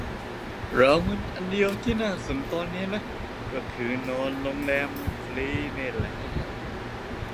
รางวัลอันเดียวที่น่าสนคือนอนโรงแรมมันฟรีนี่แหละ